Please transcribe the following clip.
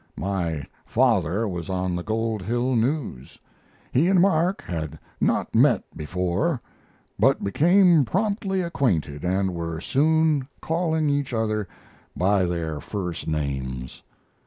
My father was on the Gold Hill News. He and Mark had not met before, but became promptly acquainted, and were soon calling each other by their first names.